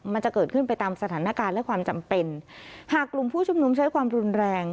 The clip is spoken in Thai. มันจะเกิดขึ้นไปตามสถานการณ์และความจำเป็นหากกลุ่มผู้ชุมนุมใช้ความรุนแรง